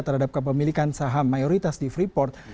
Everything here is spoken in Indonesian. terhadap kepemilikan saham mayoritas di free forth